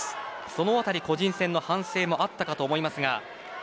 そのあたりは個人戦の反省もあったと思います。